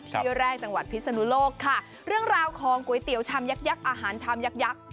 ที่แรกจังหวัดพิศนุโลกค่ะเรื่องราวของก๋วยเตี๋ยวชามยักยักษ์อาหารชามยักยักษ์